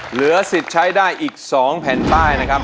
เหลือสิทธิ์ใช้ได้อีก๒แผ่นป้ายนะครับ